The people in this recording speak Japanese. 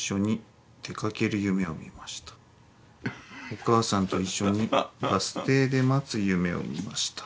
お母さんといっしょにバス停で待つ夢を見ました。